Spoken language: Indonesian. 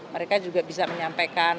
mereka juga bisa menyampaikan